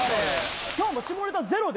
今日はもう下ネタゼロで。